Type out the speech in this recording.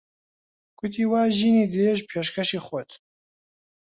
کوتی وا ژینی درێژ پێشکەشی خۆت